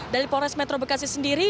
dari polres metro bekasi sendiri